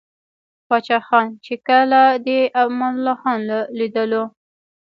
پاچاخان ،چې کله دې امان الله خان له ليدلو o